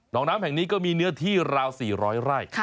น้องน้ำแห่งนี้ก็มีเนื้อที่ราว๔๐๐ไร่